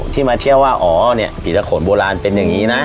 ที่มาเที่ยวว่าอ๋อผิดตาขนโบราณเป็นอย่างนี้นะ